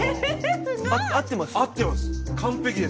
合ってます？